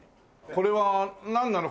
これはなんなの？